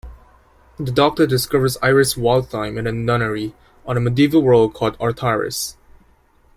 The Doctor discovers Iris Wildthyme in a nunnery, on a medieval world called Artaris.